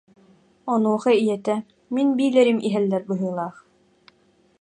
Онуоха ийэтэ: «Мин биилэрим иһэллэр быһыылаах»